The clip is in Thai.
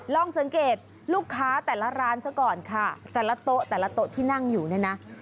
ลองสังเกตลูกค้าแต่ละร้านซะก่อนค่ะแต่ละโต๊ะแต่ละโต๊ะที่นั่งอยู่เนี่ยนะ